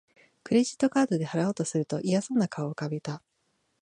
クレジットカードで払おうとすると嫌そうな顔を浮かべた